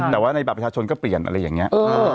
แต่ว่าในบัตรประชาชนก็เปลี่ยนอะไรอย่างนี้